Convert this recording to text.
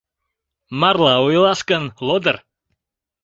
Марла ойлаш гын, лодыр.